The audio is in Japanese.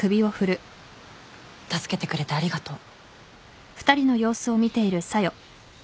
助けてくれてありがとう。